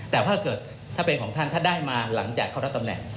แต่ถ้าเกิดถ้าเป็นของท่านถ้าได้มาหลังจากเข้ารับตำแหน่ง